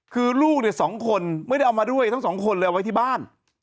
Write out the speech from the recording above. คือลูกเนี่ย๒คนไม่ได้เอามาด้วยทั้งสองคนเลยเอาไว้ที่บ้าน